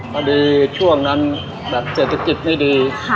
พอดีช่วงนั้นเศรษฐกิจไม่ดี